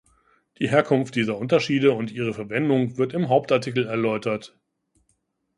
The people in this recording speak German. Die Herkunft dieser Unterschiede und ihre Verwendung wird im Hauptartikel erläutert.